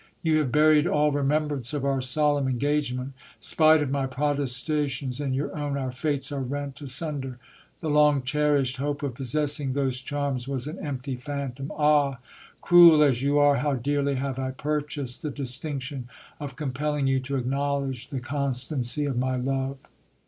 You have buried all remembrance of our solemn engagement ! Spite of my protestations and your own, our fates are rent asunder ? The long cherished hope of possessing those charms was an empty phantom ! Ah ! cruel as you are, how dearly have I purchased the distinction, of compelling you to acknow ledge the constancy of my love